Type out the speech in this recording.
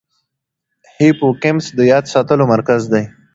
هیپوکمپس د یاد ساتلو مرکز دی.